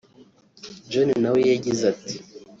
John nawe yagize ati